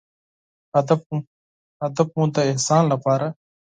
هدف مو د احسان لپاره